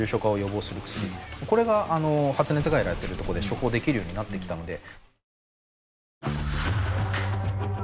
これが発熱外来やってるとこで処方できるようになってきたので。